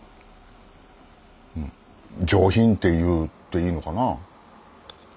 上品って言っていいのかな。